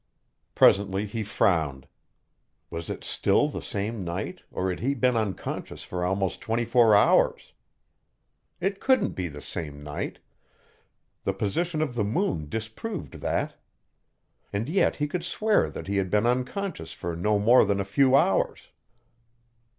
Presently he frowned. Was it still the same night, or had he been unconscious for almost twenty four hours? It couldn't be the same night the position of the moon disproved that. And yet he could swear that he had been unconscious for no more than a few hours.